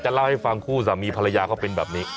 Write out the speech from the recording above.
เล่าให้ฟังคู่สามีภรรยาเขาเป็นแบบนี้